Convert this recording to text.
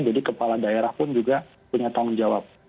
jadi kepala daerah pun juga punya tanggung jawab